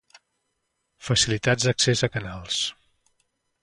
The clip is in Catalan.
Facilitats d'accés a canals.